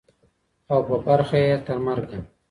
او په برخه یې ترمرګه